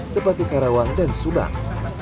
seperti karawang dan subang